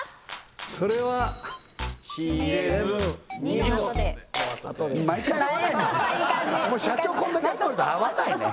それはＣＭ②の後で後で毎回合わないんですよ